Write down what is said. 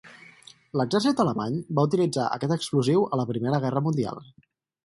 L'exèrcit alemany va utilitzar aquest explosiu a la Primera Guerra Mundial.